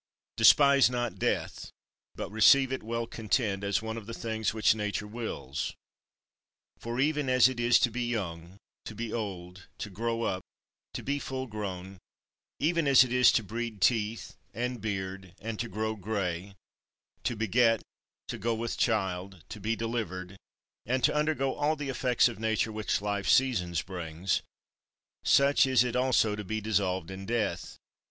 3. Despise not death; but receive it well content, as one of the things which Nature wills. For even as it is to be young, to be old, to grow up, to be full grown; even as it is to breed teeth, and beard, and to grow grey, to beget, to go with child, to be delivered; and to undergo all the effects of nature which life's seasons bring; such is it also to be dissolved in death.